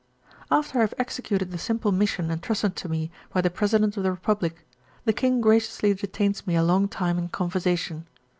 After I have executed the simple mission entrusted to me by the President of the Republic, the King graciously detains me a long time in conversation.